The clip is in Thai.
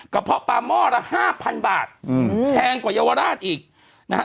เพาะปลาหม้อละห้าพันบาทอืมแพงกว่าเยาวราชอีกนะฮะ